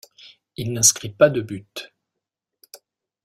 Il n'inscrit pas de but.